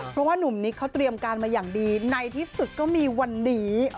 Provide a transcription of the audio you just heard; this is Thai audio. เพราะว่านุ่มนิกเขาเตรียมการมาอย่างดีในที่สุดก็มีวันนี้